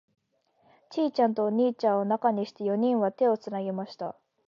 ちいちゃんとお兄ちゃんを中にして、四人は手をつなぎました。